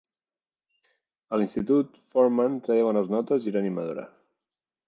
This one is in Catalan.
A l'institut, Foreman treia bones notes i era animadora.